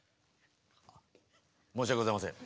あっ申し訳ございません。